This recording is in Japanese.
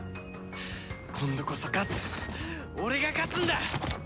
今度こそ勝つ俺が勝つんだ！